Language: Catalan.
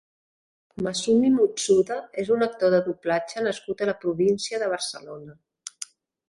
Masumi Mutsuda és un actor de Doblatge nascut a la província de Barcelona.